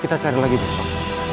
kita cari lagi besok